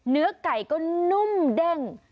เนื้อไก่ก็นุ่มเด้ง